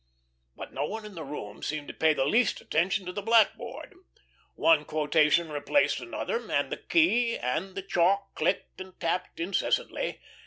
But no one in the room seemed to pay the least attention to the blackboard. One quotation replaced another, and the key and the chalk clicked and tapped incessantly.